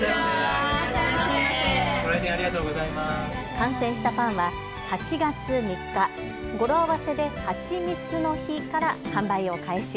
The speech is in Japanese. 完成したパンは８月３日、語呂合わせではちみつの日から販売を開始。